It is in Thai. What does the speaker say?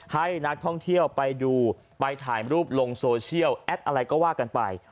ให้นักท่องเที่ยวไปดูไปถ่ายรูปลงโซเชียลแอดอะไรก็ว่ากันไป